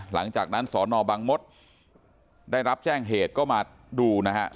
หลังจากนั้นสอนอบังมศได้รับแจ้งเหตุก็มาดูนะฮะ